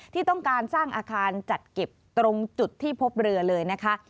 ที่ต้องการสร้างอาคารจัดเก็บตรงจุดที่พบเรือเลยนะคะ